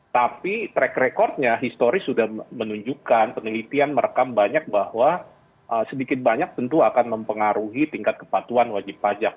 tapi track recordnya historis sudah menunjukkan penelitian merekam banyak bahwa sedikit banyak tentu akan mempengaruhi tingkat kepatuhan wajib pajak